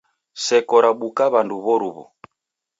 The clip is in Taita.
Seko rabuka w'andu w'oruw'u.